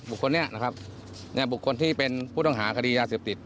คนนี้นะครับเนี่ยบุคคลที่เป็นผู้ต้องหาคดียาเสพติด